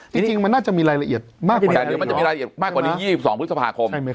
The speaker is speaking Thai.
จริงมันน่าจะมีรายละเอียดมากกว่านี้๒๒พฤษภาคม